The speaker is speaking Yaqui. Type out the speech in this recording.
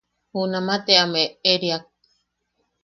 Junama te am eʼeriak.